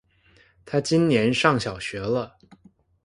他今年上小学了